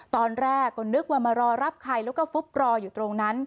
ตอนแรกก็นึกว่ามารอรับใครแล้วก็ฟุบรออยู่ตรงนั้น